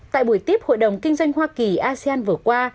tại buổi tiếp hội đồng kinh doanh hoa kỳ asean vừa qua